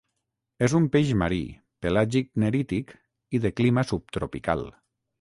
És un peix marí, pelàgic-nerític i de clima subtropical.